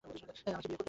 আমাকে বিয়ে করবে?